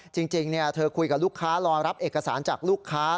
จริงเธอคุยกับลูกค้ารอรับเอกสารจากลูกค้า